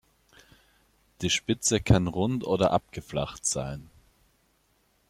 Die Spitze kann rund oder abgeflacht sein.